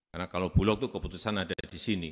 karena kalau blok itu keputusan ada di sini